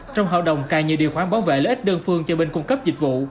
trong hợp đồng cài nhiều điều khoản bảo vệ lợi ích đơn phương cho bên cung cấp dịch vụ